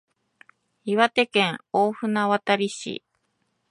岩手県大船渡市